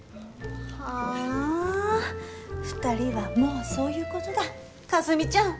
はあ２人はもうそういう事だかすみちゃん。